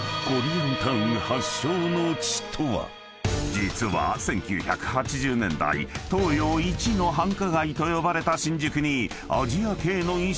［実は１９８０年代東洋一の繁華街と呼ばれた］